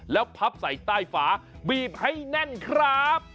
แล้วพับใส่ใต้ฝาบีบให้แน่นครับ